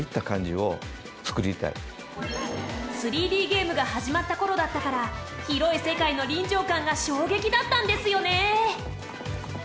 ３Ｄゲームが始まった頃だったから広い世界の臨場感が衝撃だったんですよね